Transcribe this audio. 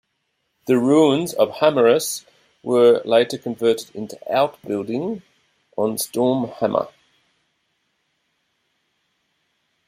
The ruins of Hamarhus were later converted into outbuilding on Storhamar.